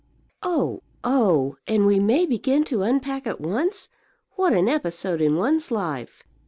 "Oh, oh! And we may begin to unpack at once? What an episode in one's life!"